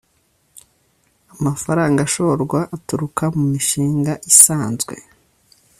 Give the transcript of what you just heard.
Amafaranga ashorwa aturuka mu mu mishanga isanzwe